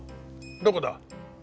どこだ？